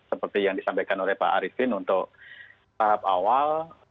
seperti yang disampaikan oleh pak arifin untuk tahap awal